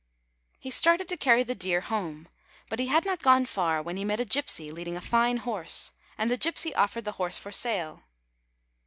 " He started to carry the deer home, but he had not gone far when he met a gypsy leading a fine horse, and the gypsy offered the horse for sale.